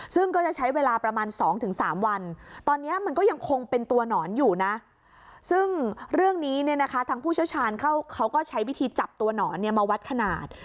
ซึ่งก็จะใช้เวลาประมาณ๒๓วันตอนนี้มันก็ยังคงเป็นตัวหนอนอยู่นะซึ่งเรื่องนี้เนี่ยนะคะทางผู้เชี่ยวชาญเขาก็ใช้วิธีจับตัวหนอนเนี่ยมาวัดขนาด